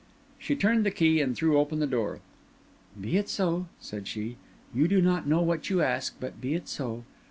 She turned the key and threw open the door. "Be it so," said she. "You do not know what you ask, but be it so.